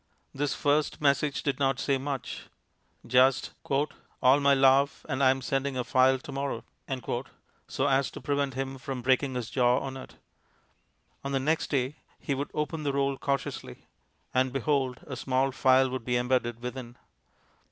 This first message did not say much; just "All my love, and I am sending a file to morrow," so as to prevent him from breaking his jaw on it. On the next day, he would open the roll cautiously, and behold! a small file would be embedded within.